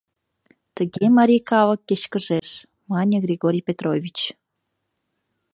Тыге марий калык кечкыжеш, — мане Григорий Петрович.